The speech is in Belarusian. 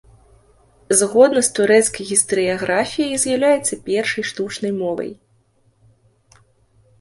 Згодна з турэцкай гістарыяграфіяй, з'яўляецца першай штучнай мовай.